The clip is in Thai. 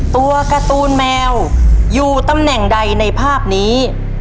ตัวการ์ตูนแมวอยู่ตำแหน่งใดในภาพนี้